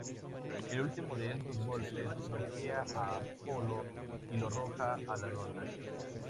El último de estos golpes noquea a Apollo y lo arroja a la lona.